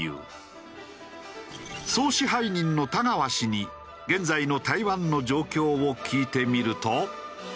総支配人の田川氏に現在の台湾の状況を聞いてみると。